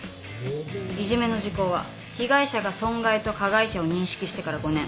いじめの時効は被害者が損害と加害者を認識してから５年。